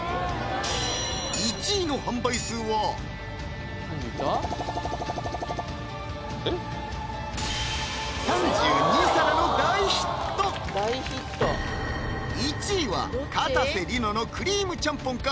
１位の販売数は３２皿の大ヒット１位はかたせ梨乃のクリームちゃんぽんか？